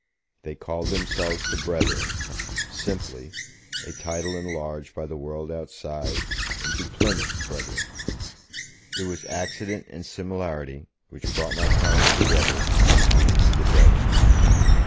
They called themselves 'the Brethren', simply; a title enlarged by the world outside into 'Plymouth Brethren'. It was accident and similarity which brought my parents together at these meetings of the Brethren.